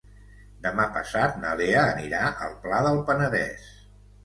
Demà passat na Lea anirà al Pla del Penedès.